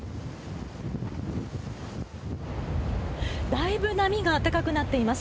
だいぶ波が高くなっています。